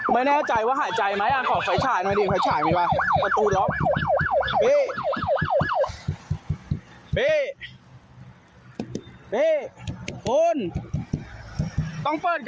ยังหายใจอยู่ไหม